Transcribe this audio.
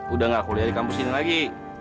udah gak kuliah di kampus ini lagi